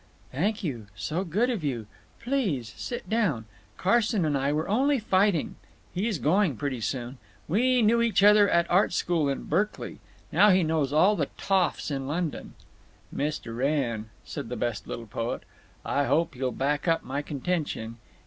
"Thank you—so good of you. Please sit down. Carson and I were only fighting—he's going pretty soon. We knew each other at art school in Berkeley. Now he knows all the toffs in London." "Mr. Wrenn," said the best little poet, "I hope you'll back up my contention.